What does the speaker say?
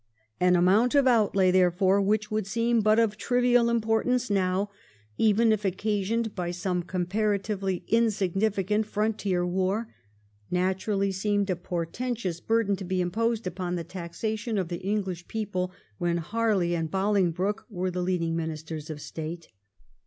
An amount of outlay, therefore, which would seem but of trivial importance now, even if occasioned by some comparatively insignificant frontier war, naturally seemed a portentous burden to be imposed upon the taxation of the English people when Harley and Bohngbroke were the leading Ministers of State.